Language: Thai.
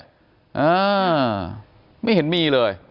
อ่าไม่เห็นมีเลย